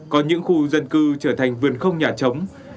còn những khu dân cư trở thành vườn không nhà chống